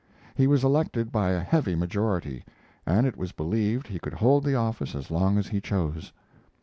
He was elected by a heavy majority, and it was believed he could hold the office as long as he chose.